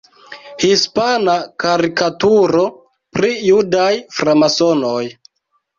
Hispana karikaturo pri "judaj framasonoj".